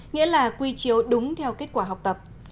nghĩa là quy chiếu đúng theo kết quả học tập